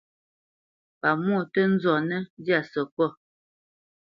Pamwô tǝ́ nzɔnǝ́ ndyâ sǝkôt.